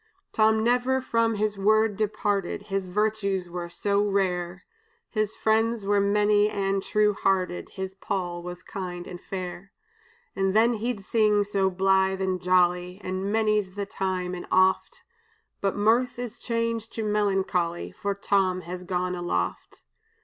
"Tom never from his word departed, His virtues were so rare; His friends were many and true hearted, His Poll was kind and fair. And then he'd sing so blithe and jolly; Ah, many's the time and oft! But mirth is changed to melancholy, For Tom is gone aloft.